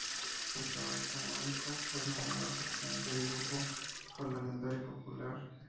Tras ser elegido diputado autonómico, fue nombrado presidente del Grupo parlamentario Popular.